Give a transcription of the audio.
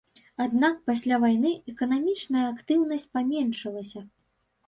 Аднак пасля вайны эканамічная актыўнасць паменшылася.